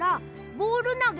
ボールなげ！